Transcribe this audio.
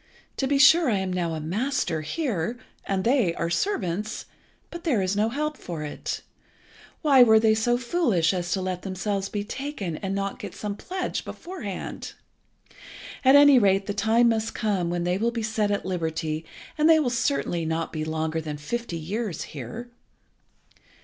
To be sure I am now a master here, and they are servants, but there is no help for it. Why were they so foolish as to let themselves be taken and not get some pledge beforehand? At any rate the time must come when they will be set at liberty, and they will certainly not be longer than fifty years here."